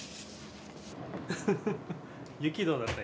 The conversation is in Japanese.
雪どうだった？